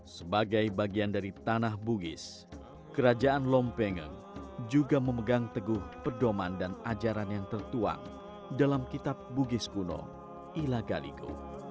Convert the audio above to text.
sebagai bagian dari tanah bugis kerajaan lompengeng juga memegang teguh pedoman dan ajaran yang tertuang dalam kitab bugis kuno ilagaligo